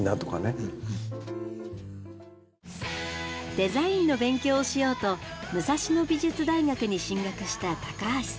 デザインの勉強をしようと武蔵野美術大学に進学した高橋さん。